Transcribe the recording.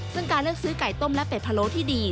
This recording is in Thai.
ซึ่งการเลือกซื้อไก่ต้มและเป็ดพะโล้ที่ดี